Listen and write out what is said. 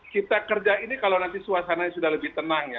kita kerja ini kalau nanti suasananya sudah lebih tenang ya